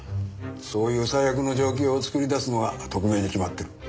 そういう最悪の状況を作り出すのは特命に決まってる。